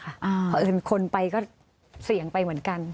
เพราะเอิญคนไปก็เสี่ยงไปเหมือนกัน